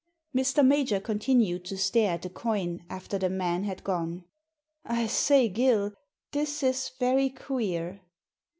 Mr. Major continued to stare at the coin after the man had gone. I say, Gill, this is very queer."